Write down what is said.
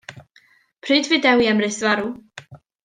Pryd fu Dewi Emrys farw?